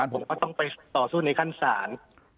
ผมก็ต้องไปต่อสู้ในขั้นศาล